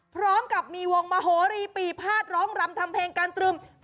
พร้อมกับมีวงมโหรีปีภาษร้องรำทำเพลงการตรึม